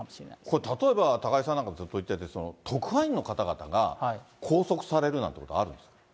これ、例えば高井さんなんかもずっと行ってて、特派員の方々が拘束されるなんていうことはあるんですか。